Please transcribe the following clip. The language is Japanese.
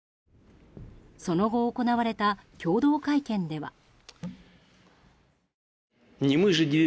その後、行われた共同会見では。